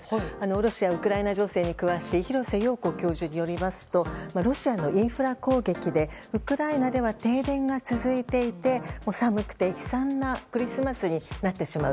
ロシア・ウクライナ情勢に詳しい廣瀬陽子教授によりますとロシアのインフラ攻撃でウクライナでは停電が続いていて寒くて悲惨なクリスマスになってしまう。